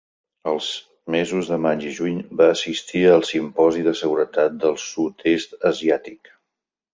Els mesos de maig i juny, va assistir al Simposi de Seguretat del Sud-est Asiàtic.